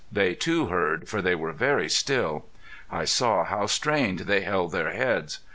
They too heard, for they were very still. I saw how strained they held their heads.